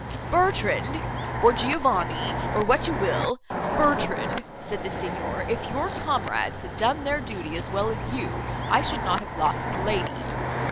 Bertrand, or Giovanni—or what you will—'Bertrand,' said the Signor, 'if your comrades had done their duty, as well as you, I should not have lost the lady.